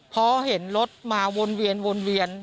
พอเห็นรถมาวนเวียน